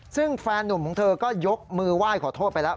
ซึ่งแฟนนุ่มของเธอก็ยกมือไหว้ขอโทษไปแล้ว